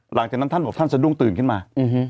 หลังจากนั้นท่านบอกท่านสะดุ้งตื่นขึ้นมา